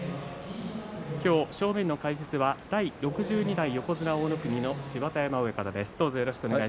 正面の解説は第６２代横綱大乃国の芝田山親方です。